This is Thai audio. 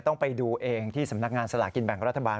ต้องไปดูเองที่สำนักงานสลากินแบ่งรัฐบาล